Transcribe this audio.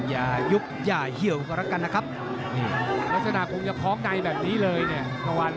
อย่ายุบอย่าเหี่ยวกันแล้วกันนะครับลักษณะคงจะคล้องในแบบนี้เลยเนี่ยตะวัน